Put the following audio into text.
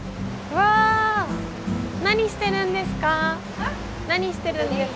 わ何してるんですか？